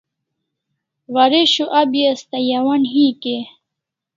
Waresho o abi asta yawan hik e?